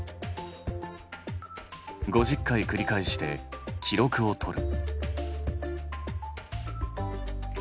５０回繰り返して記録をとる。